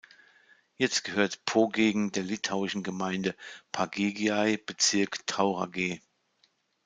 Jetzt gehört Pogegen der litauischen Gemeinde Pagėgiai, Bezirk Tauragė.